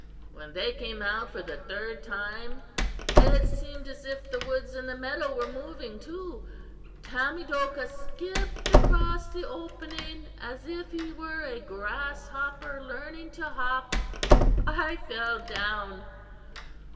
"When they came out for the third time it seemed as if the woods and the meadow were moving too. Tamedokah skipped across the opening as if he were a grasshopper learning to hop. I fell down.